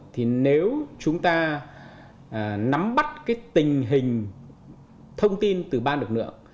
thì nếu chúng ta nắm bắt cái tình hình thông tin từ ba lực lượng